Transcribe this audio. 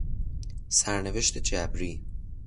سرنوشت جبری